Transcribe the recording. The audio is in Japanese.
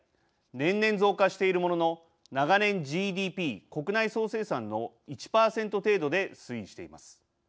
年々増加しているものの長年ＧＤＰ＝国内総生産の１％程度で推移しています。